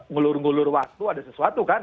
ngelur ngelur waktu ada sesuatu kan